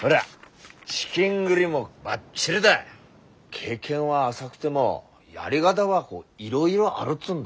経験は浅くてもやり方はいろいろあるっつうんだ。